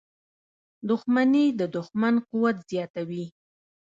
• دښمني د دوښمن قوت زیاتوي.